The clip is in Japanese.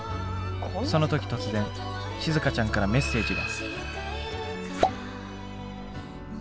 その時突然しずかちゃんからメッセージが。